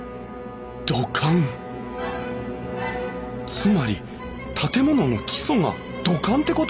つまり建物の基礎が土管ってこと！？